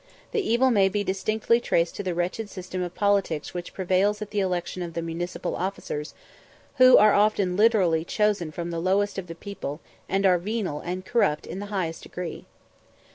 The evil may be distinctly traced to the wretched system of politics which prevails at the election of the municipal officers, who are often literally chosen from the lowest of the people, and are venal and corrupt in the highest degree.